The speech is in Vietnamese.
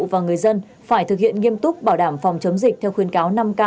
và người dân phải thực hiện nghiêm túc bảo đảm phòng chấm dịch theo khuyên cáo năm k